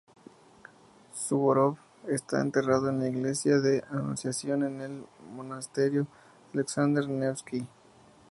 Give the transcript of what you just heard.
Suvórov está enterrado en la iglesia de la Anunciación, en el monasterio Aleksandr Nevski.